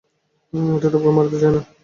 এটা টোপকে মারতে চায় না।